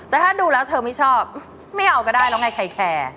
แต่ถ้าดูแล้วเธอไม่ชอบไม่เอาก็ได้แล้วไงใครแคร์